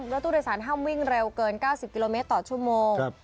รถตู้โดยสารห้ามวิ่งเร็วเกิน๙๐กิโลเมตรต่อชั่วโมง